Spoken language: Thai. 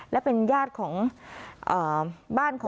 และเป็นญาติของบ้านของ